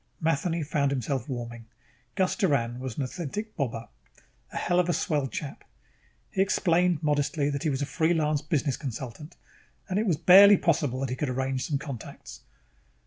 Matheny found himself warming. Gus Doran was an authentic bobber. A hell of a swell chap. He explained modestly that he was a free lance business consultant and it was barely possible that he could arrange some contacts....